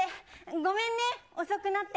ごめんね、遅くなって。